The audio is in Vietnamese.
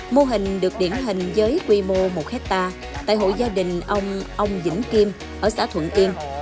mô hình được điển hình với quy mô một hectare tại hội gia đình ông ông vĩnh kim ở xã thuận yên